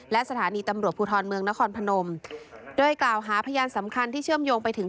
และสถานีตำรวจภูทรเมืองนครพนมโดยกล่าวหาพยานสำคัญที่เชื่อมโยงไปถึง